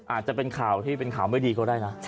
อาจจะเป็นข่าวที่เป็นข่าวไม่ดีก็ได้นะ